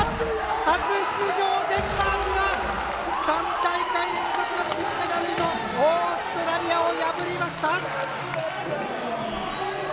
初出場、デンマークが３大会連続の金メダルのオーストラリアを破りました！